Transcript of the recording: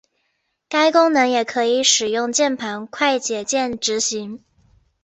该功能也可以使用键盘快捷键执行。